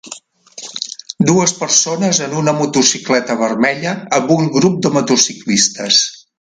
Dues persones en una motocicleta vermella amb un grup de motociclistes.